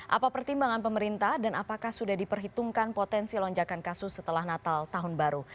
apa pertimbangan pemerintah dan apakah sudah diperhitungkan potensi lonjakan kasus setelah natal tahun baru